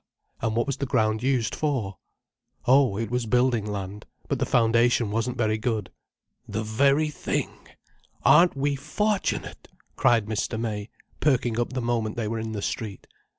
And what was the ground used for? Oh, it was building land. But the foundation wasn't very good. "The very thing! Aren't we fortunate!" cried Mr. May, perking up the moment they were in the street.